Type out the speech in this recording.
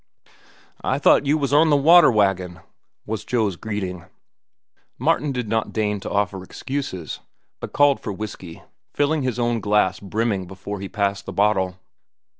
"I thought you was on the water wagon," was Joe's greeting. Martin did not deign to offer excuses, but called for whiskey, filling his own glass brimming before he passed the bottle.